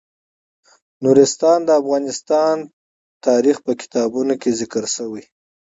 نورستان د افغان تاریخ په کتابونو کې ذکر شوی دي.